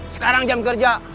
sekarang jam kerja